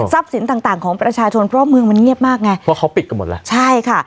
สินต่างต่างของประชาชนเพราะเมืองมันเงียบมากไงเพราะเขาปิดกันหมดแล้วใช่ค่ะ